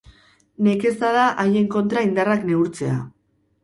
Nekeza da haien kontra indarrak neurtzea.